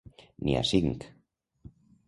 N'hi ha cinc.